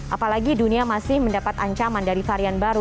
apalagi dunia masih mendapat ancaman dari varian baru